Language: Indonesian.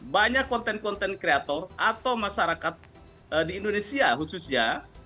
banyak content content creator atau masyarakat di indonesia khususnya